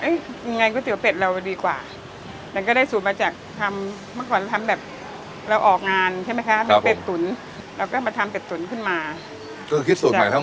เราก็เซ็งก์อาหารที่ข้างในนี้ค่ะมีรถมีอาหารที่ด้วยแล้วก็เซ็งกับเพื่อนกี่นึง